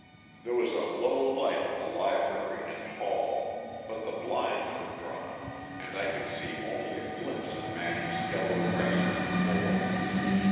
There was a low light in the library and hall but the blinds were drawn, and I could see only a glimpse of Maddy's yellow dress on the floor.